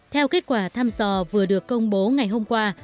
theo kết quả thăm dò vừa được công bố ngày hôm qua